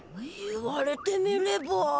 言われてみれば。